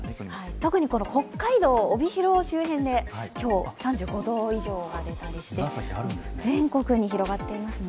特に北海道帯広周辺で今日３５度以上になって全国に広がっていますね。